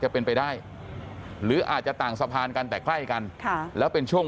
จะเป็นไปได้หรืออาจจะต่างสะพานกันแต่ใกล้กันแล้วเป็นช่วง